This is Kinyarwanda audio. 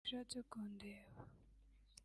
Iyo ashatse kundeba